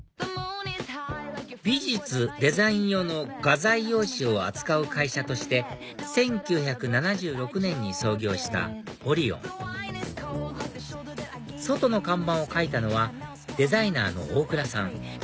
美術デザイン用の画材用紙を扱う会社として１９７６年に創業したオリオン外の看板を描いたのはデザイナーの大倉さん